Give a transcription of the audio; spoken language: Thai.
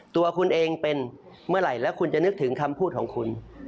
ตัวคุณเองเป็นเมื่อไหร่แล้วคุณจะนึกถึงคำพูดของคุณ